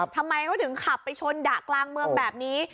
ทำไมเขาถึงขับไปชนดะกลางเมืองแบบนี้